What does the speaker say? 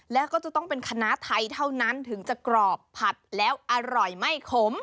แล้วก็จะต้องเป็นคณะไทยเท่านั้นถึงจะกรอบผัดแล้วอร่อยไม่ขม